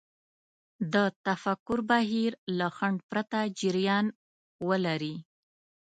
د تفکر بهير له خنډ پرته جريان ولري.